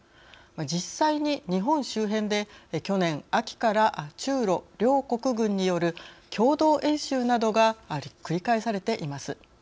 実際に日本周辺で、去年秋から中ロ両国軍による共同演習などが繰り返されています。